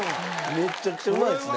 めちゃくちゃうまいですね。